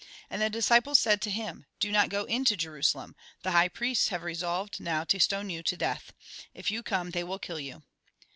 And the disciples said to him :" Do not go into Jerusalem. The high priests have resolved now to stone you to death. If you come they will kill you."